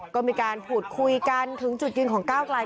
ก็มีการพูดคุยกันถึงจุดยืนของก้าวกลาย